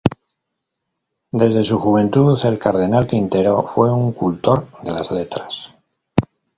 Desde su juventud, el cardenal Quintero fue un cultor de las letras.